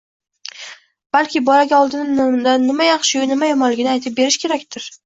balki bolaga oldindan nima yaxshi-yu, nima yomonligini aytib berish kerakdir